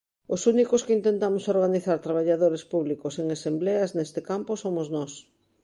Os únicos que intentamos organizar traballadores públicos en asembleas neste campo somos nós.